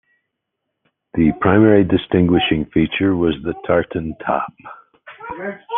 The primary distinguishing feature was the tartan top.